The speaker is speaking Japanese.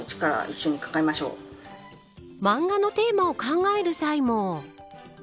漫画のテーマを考える際も。